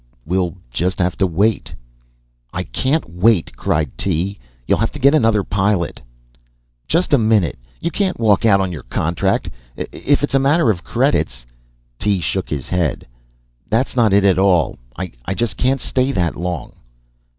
We'll just have to wait." "I can't wait," cried Tee. "You'll have to get another pilot." "Just a minute! You can't walk out on your contract. If it's a matter of credits " Tee shook his head. "That's not it at all. I just can't stay that long."